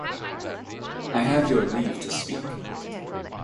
I have your leave to speak.